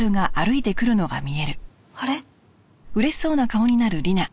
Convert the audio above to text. あれ？